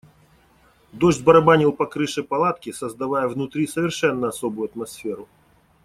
Дождь барабанил по крыше палатки, создавая внутри совершенно особую атмосферу.